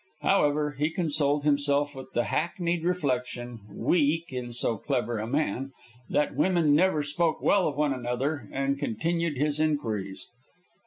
However, he consoled himself with the hackneyed reflection, weak in so clever a man, that women never spoke well of one another, and continued his inquiries.